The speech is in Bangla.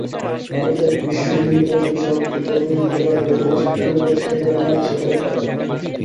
ভারতে বিশ্বহিন্দু পরিষদের সভাপতি প্রবীণ তোগাড়িয়া বলেছেন, অনুপ্রবেশকারীদের বাংলাদেশে ফেরত পাঠাতে হবে।